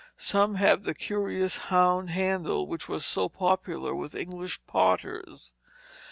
Some have the curious hound handle which was so popular with English potters.